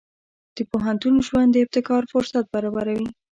د پوهنتون ژوند د ابتکار فرصت برابروي.